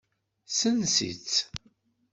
Sens-itt.